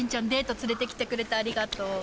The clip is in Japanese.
連れてきてくれてありがとう。